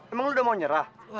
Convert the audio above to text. emang lo udah mau nyerah